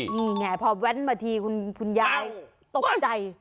นี่ไงพอแว้นมาทีคุณยายตกใจ